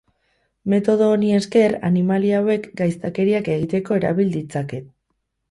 Metodo honi esker animali hauek gaiztakeriak egiteko erabil ditzake.